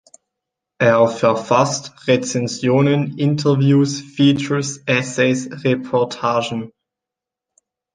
Er verfasst Rezensionen, Interviews, Features, Essays, Reportagen.